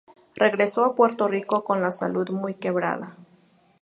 Regresó a Puerto Rico con la salud muy quebrada.